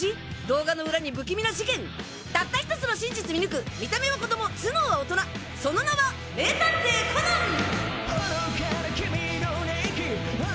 動画の裏に不気味な事件たった１つの真実見抜く見た目は子供頭脳は大人その名は名探偵コナン！